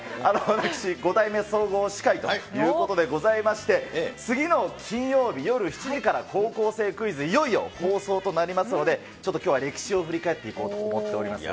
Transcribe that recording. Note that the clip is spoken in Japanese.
私、５代目総合司会ということでございまして、次の金曜日夜７時から高校生クイズ、いよいよ放送となりますので、ちょっときょうは歴史を振り返っていこうと思ってます。